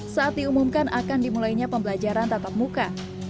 saat diumumkan akan dimulainya pembelajaran tatap muka